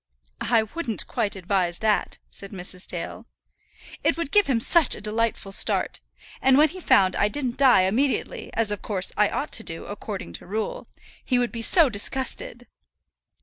"I wouldn't quite advise that," said Mrs. Dale. "It would give him such a delightful start. And when he found I didn't die immediately, as of course I ought to do according to rule, he would be so disgusted."